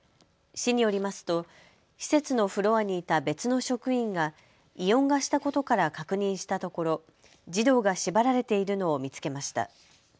市によりますと施設のフロアにいた別の職員が異音がしたことから確認したところ児童が縛られているのを見つけました。